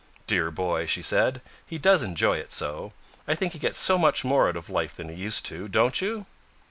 "Dear boy!" she said. "He does enjoy it so. I think he gets so much more out of life than he used to, don't you?"